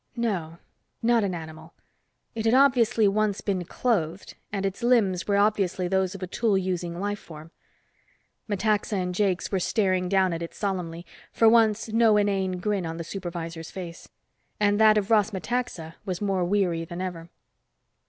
No, not an animal. It had obviously once been clothed, and its limbs were obviously those of a tool using life form. Metaxa and Jakes were staring down at it solemnly, for once no inane grin on the supervisor's face. And that of Ross Metaxa was more weary than ever.